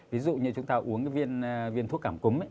ví dụ như chúng ta uống viên thuốc cảm cúm